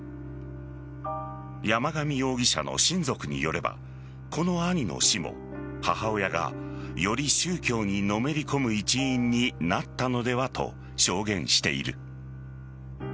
山上容疑者の親族によればこの兄の死も、母親がより宗教にのめり込む一因になったのではと証言している。